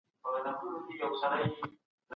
لوستې مور د ماشومانو د سترګو ساتنه کوي.